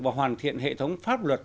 và hoàn thiện hệ thống pháp luật